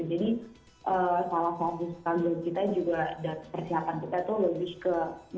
jadi salah satu skandal kita juga dan persiapan kita itu lebih ke